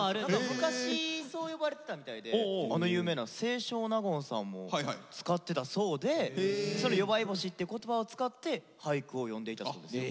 昔そう呼ばれてたみたいであの有名な清少納言さんも使ってたそうでその「夜星」って言葉を使って俳句を詠んでいたそうです。